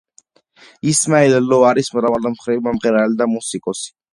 ისმაელ ლო არის მრავალმხრივი მომღერალი და მუსიკოსი.